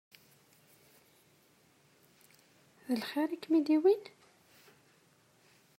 D lxir i ak-m-id-yewwin?